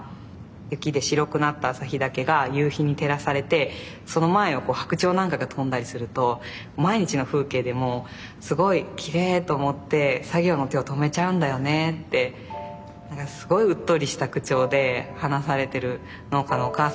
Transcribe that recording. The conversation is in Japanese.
雪で白くなった旭岳が夕日に照らされてその前を白鳥なんかが飛んだりすると毎日の風景でもすごいきれいと思って作業の手を止めちゃうんだよねってすごいうっとりした口調で話されてる農家のおかあさんとかにも会って。